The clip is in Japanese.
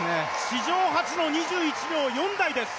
史上初の２１秒４台です。